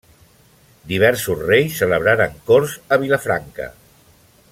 Diversos reis celebraren corts a Vilafranca.